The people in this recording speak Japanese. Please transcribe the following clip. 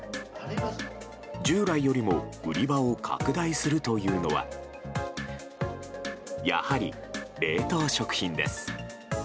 従来よりも売り場を拡大するというのはやはり冷凍食品です。